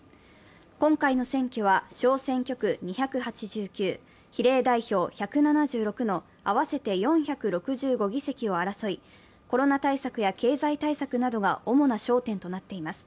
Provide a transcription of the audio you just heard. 今回の選挙は小選挙区２８９、比例代表１７６の合わせて４６５議席を争い、コロナ対策や経済対策などが主な焦点となっています。